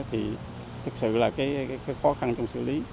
thì thực sự là cái khó khăn trong xử lý